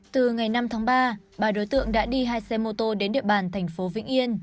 từ ngày năm tháng ba ba đối tượng đã đi hai xe mô tô đến địa bàn thành phố vĩnh yên